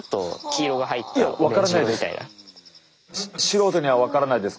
素人には分からないです